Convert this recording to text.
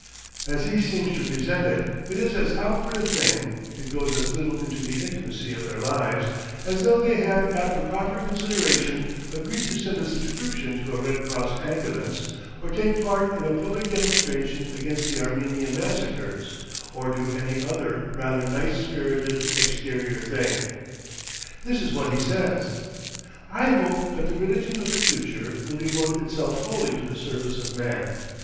As he seems to present it, it is as outward a thing, it goes as little into the intimacy of their lives, as though they had after proper consideration agreed to send a subscription to a Red Cross Ambulance or take part in a public demonstration against the Armenian Massacres, or do any other rather nice spirited exterior thing. This is what he says: "I hope that the religion of the future will devote itself wholly to the Service of Man.